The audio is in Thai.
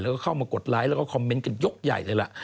แล้วก็เข้ามากดไลค์แล้วก็คอมเมนต์กันยกใหญ่เลยล่ะ